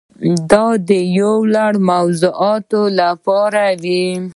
دا د یو لړ موضوعاتو لپاره وي.